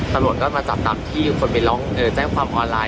ตำรวจก็มาจับตามที่คนไปร้องแจ้งความออนไลน